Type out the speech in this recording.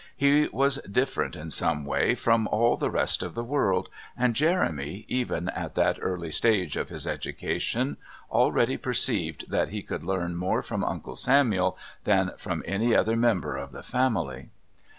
He was different, in some way, from all the rest of the world, and Jeremy, even at that early stage of his education, already perceived that he could learn more from Uncle Samuel than from any other member of the family.